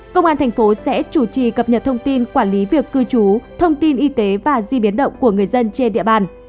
công an thành phố sẽ chủ trì cập nhật thông tin quản lý việc cư trú thông tin y tế và di biến động của người dân trên địa bàn